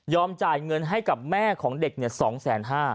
จ่ายเงินให้กับแม่ของเด็ก๒๕๐๐บาท